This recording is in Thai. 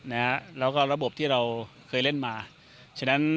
แล้วก็ระบบที่เราเคยเล่นมา